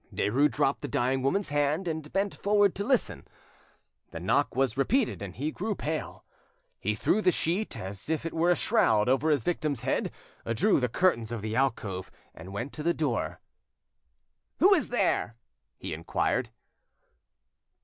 Derues dropped the dying woman's hand and bent forward to listen. The knock was repeated, and he grew pale. He threw the sheet, as if it were a shroud, over his victim's head drew the curtains of the alcove, and went to the door. "Who is there?" he inquired.